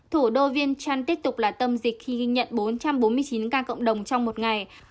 thủ đô viên trăn tiếp tục là tâm dịch khi ghi nhận bốn trăm bốn mươi chín ca cộng đồng trong một ngày